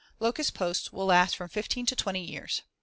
Locust posts will last from fifteen to twenty years.